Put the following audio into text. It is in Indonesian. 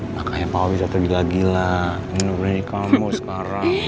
makanya papa bisa tergila gila ngelindungi kamu sekarang